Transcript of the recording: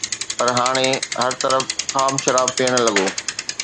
پر هاڻي هر طرف خام شراب پيئڻ لڳو